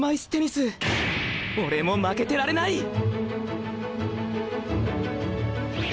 俺も負けてられないっ！